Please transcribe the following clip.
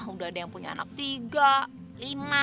udah ada yang punya anak tiga lima